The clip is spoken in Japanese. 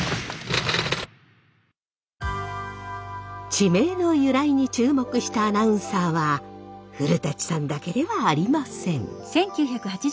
地名の由来に注目したアナウンサーは古さんだけではありません。